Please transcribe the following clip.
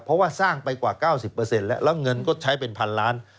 เพราะว่าสร้างไปกว่า๙๐แล้วแล้วเงินก็ใช้เป็นพันล้าน